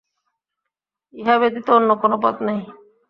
ইহা ব্যতীত অন্য কোন পথ নাই।